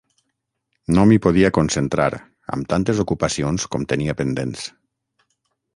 No m'hi podia concentrar, amb tantes ocupacions com tenia pendents.